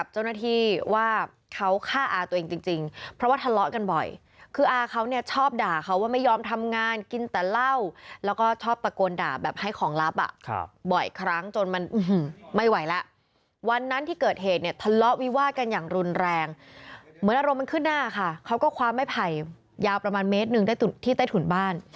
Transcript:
เจ้าหน้าที่ว่าเขาฆ่าอาตัวเองจริงเพราะว่าทะเลาะกันบ่อยคืออาเขาเนี่ยชอบด่าเขาว่าไม่ยอมทำงานกินแต่เหล้าแล้วก็ชอบตะโกนด่าแบบให้ของลับอ่ะบ่อยครั้งจนมันไม่ไหวแล้ววันนั้นที่เกิดเหตุเนี่ยทะเลาะวิวาดกันอย่างรุนแรงเหมือนอารมณ์มันขึ้นหน้าค่ะเขาก็คว้าไม้ไผ่ยาวประมาณเมตรหนึ่งได้ที่ใต้ถุนบ้าน